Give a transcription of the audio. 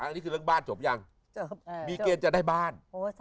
อันนี้คือเรื่องบ้านจบยังมีเกณฑ์จะได้บ้าน